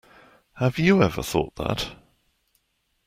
Have you ever thought that?